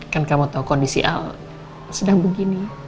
kan kamu tahu kondisi al sedang begini